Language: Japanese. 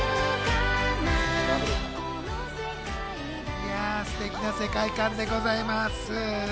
いや、すてきな世界観でこざいます。